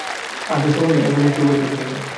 আর তো সময় নেই, এখনই একটা উপায় করতে হবে।